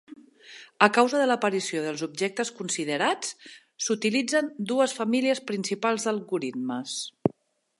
A causa de l'aparició dels objectes considerats, s'utilitzen dues famílies principals d'algoritmes.